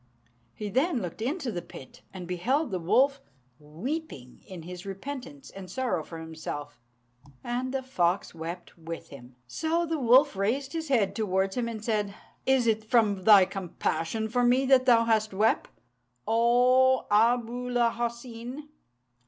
He then looked into the pit, and beheld the wolf weeping in his repentance and sorrow for himself, and the fox wept with him. So the wolf raised his head towards him, and said, "Is it from thy compassion for me that thou hast wept, O Abu l Hoseyn?"